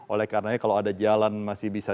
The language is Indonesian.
oleh karenanya kalau ada jalan masih bisa